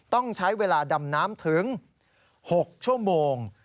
ต้องใช้เวลาดำน้ำถึง๖ชั่วโมง